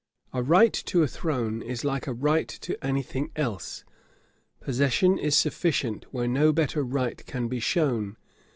A right to a throne is like a right to any thing else. Possession is sufficient, where no better right can be shown.